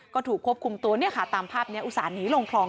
ก็ถูกควบคุมตัวตามภาพนี้อุตส่านหนีลงคลอง